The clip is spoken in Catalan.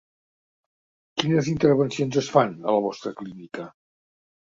Quines intervencions es fan a la vostra clínica?